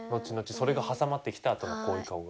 それが挟まってきたあとのこういう顔が。